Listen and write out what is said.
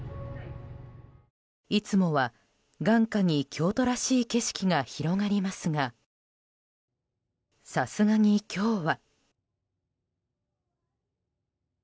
いつもは眼下に京都らしい景色が広がりますがさすがに今日は。